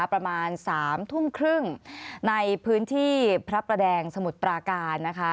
ประมาณ๓ทุ่มครึ่งในพื้นที่พระประแดงสมุทรปราการนะคะ